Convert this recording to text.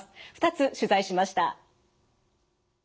２つ取材しました。